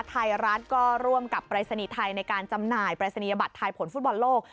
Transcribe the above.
ไทยรัฐก็ร่วมกับปรายศนีย์ไทยในการจำหน่ายปรายศนียบัตรไทยผลฟุตบอลโลก